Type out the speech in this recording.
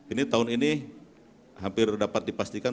ini tahun ini hampir dapat dipastikan